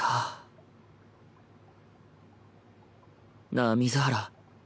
なあ水原